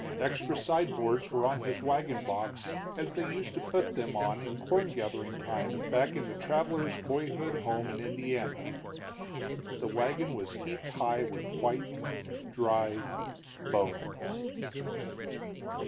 Extra side boards were on his wagon box, as they used to put them on in corn gathering time back in the traveler's boyhood home in Indiana. The wagon was heaped high with white, dry bones.